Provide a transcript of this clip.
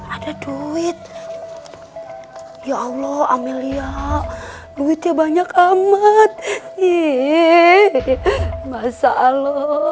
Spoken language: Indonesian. ada duit ya allah amelia duitnya banyak amat iih masalah